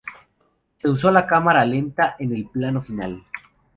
Se usó la cámara lenta en el plano final.